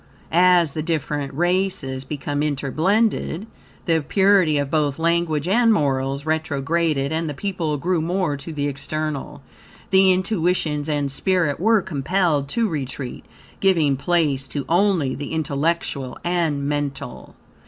As the different races became interblended, the purity of both language and morals retrograded, and the people grew more to the external. The intuitions and spirit were compelled to retreat, giving place to only the intellectual and mental.